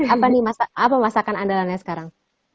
apa nih apa masakan andalannya sekarang